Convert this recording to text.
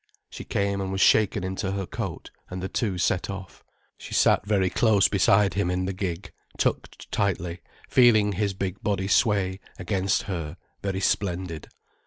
She came and was shaken into her coat, and the two set off. She sat very close beside him in the gig, tucked tightly, feeling his big body sway, against her, very splendid.